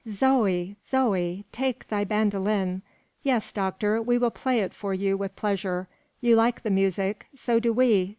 "Zoe, Zoe! take thy bandolin. Yes, doctor, we will play it for you with pleasure. You like the music. So do we.